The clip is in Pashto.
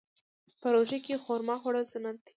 په روژه کې خرما خوړل سنت دي.